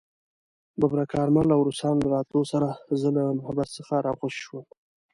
د ببرک کارمل او روسانو له راتلو سره زه له محبس څخه راخوشي شوم.